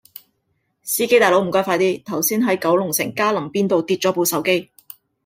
司機大佬唔該快啲，頭先喺九龍城嘉林邊道跌左部手機